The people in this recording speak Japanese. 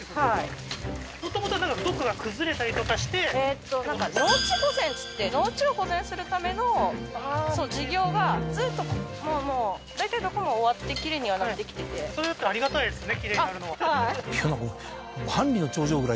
えーっとなんか農地保全っつって農地を保全するための事業がずっともう大体どこも終わってきれいにはなってきててそれだとありがたいですね